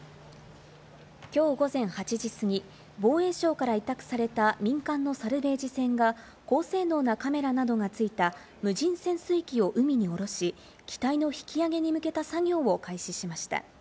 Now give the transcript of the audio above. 今日午前８時すぎ、防衛省から委託された民間のサルベージ船が高性能なカメラなどがついた無人潜水機を海へおろし、機体の引き揚げに向けた作業を開始しました。